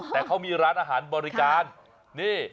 แต่เขามีร้านอาหารบริการนี่